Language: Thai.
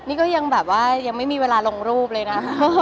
นี่ก็ยังแบบว่ายังไม่มีเวลาลงรูปเลยนะ